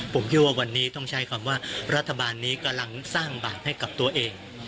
ผมเชื่อว่าวันนี้ต้องใช้คำว่ารัฐบาลนี้กำลังสร้างบาปให้กับตัวเอง